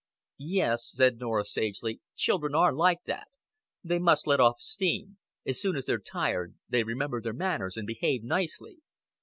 "Yes," sad Norah sagely, "children are like that. They must let off steam. As soon as they're tired they remember their manners and behave nicely."